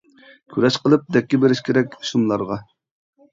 كۈرەش قىلىپ دەككە بېرىش كېرەك شۇملارغا!